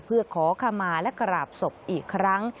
เพื่อขอขมาและกราบศพอีกครั้ง